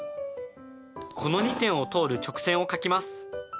この２点を通る直線を書きます。